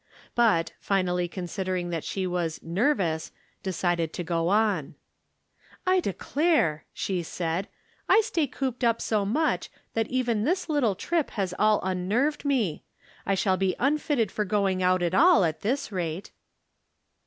But, finally considering that she was " nervous," decided to go on. " I declare," she said, " I stay cooped up so 326 I'rom Different Standpoints. much that even this little trip has all unnerved me. I shall be unfitted for going out at aU at this rate."